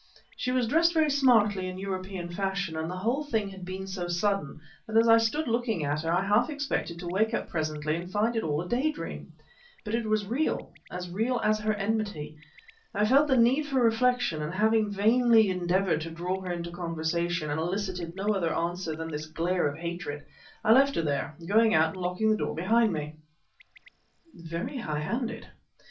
She was dressed very smartly in European fashion, and the whole thing had been so sudden that as I stood looking at her I half expected to wake up presently and find it all a day dream. But it was real as real as her enmity. I felt the need for reflection, and having vainly endeavored to draw her into conversation, and elicited no other answer than this glare of hatred I left her there, going out and locking the door behind me." "Very high handed?"